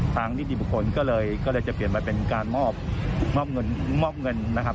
นิติบุคคลก็เลยจะเปลี่ยนมาเป็นการมอบเงินมอบเงินนะครับ